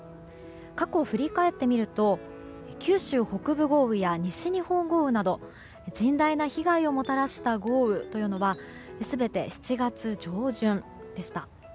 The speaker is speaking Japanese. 過去を振り返ってみると九州北部豪雨や西日本豪雨など甚大な被害をもたらした豪雨というのは全て７月上旬でした。